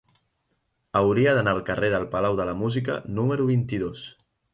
Hauria d'anar al carrer del Palau de la Música número vint-i-dos.